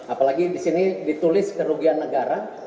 apalagi di sini ditulis kerugian negara